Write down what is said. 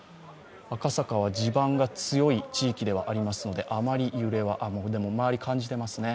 赤坂は地盤が強い地域ではありますので、あまり揺れはでも周り、感じていますね。